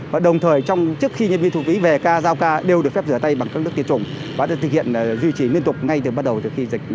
và đồng thời trước khi nhân viên thu phí về ca giao ca đều được phép rửa tay bằng các nước tiệt chủng và được thực hiện duy trì liên tục ngay từ bắt đầu dịch